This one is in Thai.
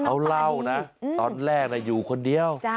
เขาเล่านะตอนแรกอยู่คนเดียว